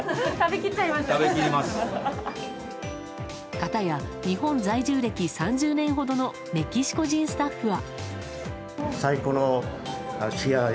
かたや日本在住歴３０年ほどのメキシコ人スタッフは。